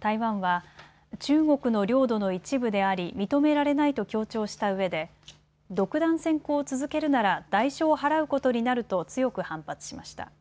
台湾は中国の領土の一部であり認められないと強調したうえで独断専行を続けるなら代償を払うことになると強く反発しました。